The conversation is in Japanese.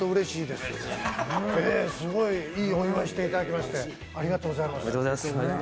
すごいお祝いしていただいてありがとうございます。